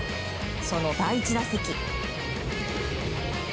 その第１打席。